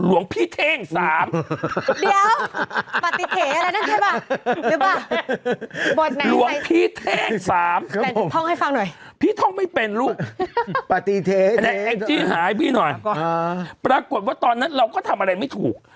หลวงพี่เท้ง๓พี่ท่องไม่เป็นลูกประกดวนว่าตอนนั้นเราก็ทำอะไรไม่ถูก